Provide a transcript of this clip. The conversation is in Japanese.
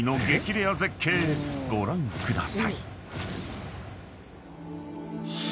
レア絶景ご覧ください］